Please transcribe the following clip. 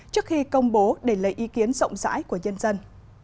trước khi công bố để lấy ý kiến rộng rãi của nhân dân